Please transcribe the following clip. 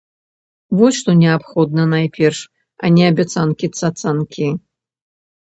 Вось што неабходна найперш, а не абяцанкі-цацанкі.